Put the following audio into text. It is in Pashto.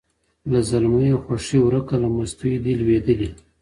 له زلمیو خوښي ورکه له مستیو دي لوېدلي